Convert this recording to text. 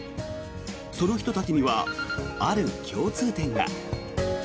その人たちには、ある共通点が。